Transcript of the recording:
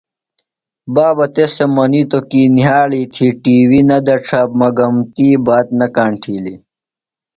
بابہ تس تھےۡ منیتوۡ کی نِھیاڑی تھی ٹی وی نہ دڇھہ مگم تی بات نہ کاݨ تِھیلی۔